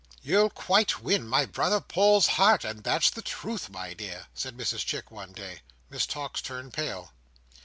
"You'll quite win my brother Paul's heart, and that's the truth, my dear," said Mrs Chick, one day. Miss Tox turned pale.